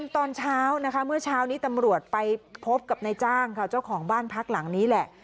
ตอนเช้านะคะเมื่อเช้านี้ตำรวจไปพบกับนายจ้างค่ะเจ้าของบ้านพักหลังนี้แหละ